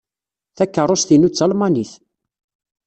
Takeṛṛust-inu d talmanit.